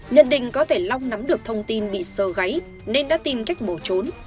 nhận định có thể long nắm được thông tin bị sơ gáy nên đã tìm cách bỏ trốn